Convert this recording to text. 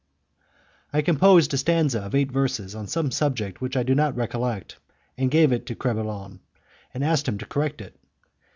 I composed a stanza of eight verses on some subject which I do not recollect, and I gave it to Crebillon, asking him to correct it.